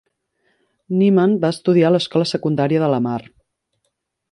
Niemann va estudiar a l'Escola Secundària de Lamar.